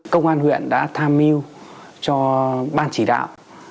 công an huyện đã tham mưu cho ban chỉ đạo